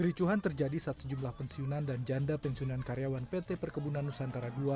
kericuhan terjadi saat sejumlah pensiunan dan janda pensiunan karyawan pt perkebunan nusantara ii